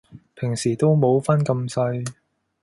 平時都冇分咁細